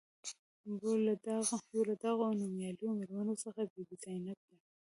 یو له دغو نومیالیو میرمنو څخه بي بي زینب ده.